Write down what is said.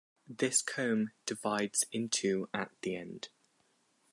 This comb divides in two at the end.